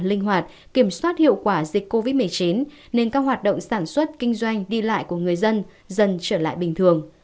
linh hoạt kiểm soát hiệu quả dịch covid một mươi chín nên các hoạt động sản xuất kinh doanh đi lại của người dân dần trở lại bình thường